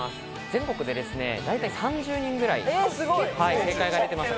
全国でだいたい３０人くらい正解が出ています。